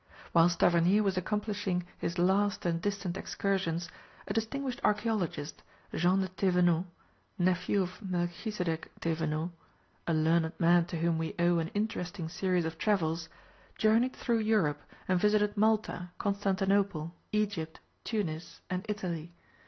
Whilst Tavernier was accomplishing his last and distant excursions, a distinguished archæologist, Jean de Thévenot, nephew of Melchisedec Thévenot a learned man to whom we owe an interesting series of travels journeyed through Europe, and visited Malta, Constantinople, Egypt, Tunis, and Italy.